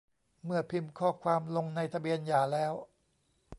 เมื่อพิมพ์ข้อความลงในทะเบียนหย่าแล้ว